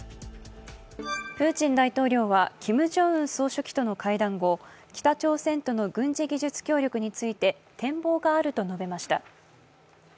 プーチン大統領はキム・ジョンウン総書記との会談後、北朝鮮との軍事技術協力について、展望があると述べました。